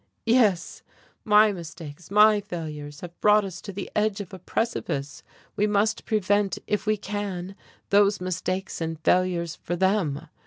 "Yes. My mistakes, my failures, have brought us to the edge of a precipice. We must prevent, if we can, those mistakes and failures for them.